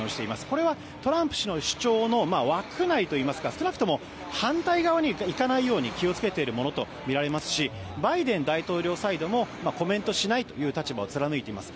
これはトランプ氏の主張の枠内といいますか少なくとも反対側にはいかないように気を付けているものとみられますしバイデン大統領サイドもコメントしないという立場を貫いています。